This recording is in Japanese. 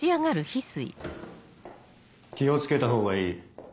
気を付けたほうがいい。